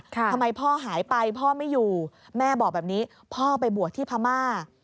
ทำไมพ่อหายไปพ่อไม่อยู่แม่บอกแบบนี้พ่อไปบวชที่พม่า